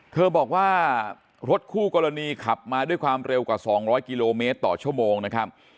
เธอบอกว่ารถคู่กรณีขับมาด้วยความเร็วกว่า๒๐๐กิโลเมตรต่อชั่วโมงนะครับ